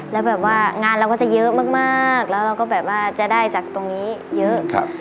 แล้วแบบว่างานเราก็จะเยอะมากแล้วเราก็แบบว่าจะได้จากตรงนี้เยอะ